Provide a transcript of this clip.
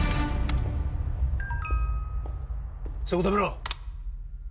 そこ止めろ！